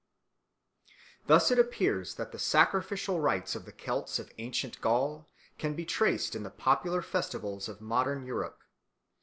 Thus it appears that the sacrificial rites of the Celts of ancient Gaul can be traced in the popular festivals of modern Europe.